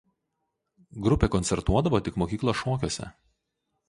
Grupė koncertuodavo tik mokyklos šokiuose.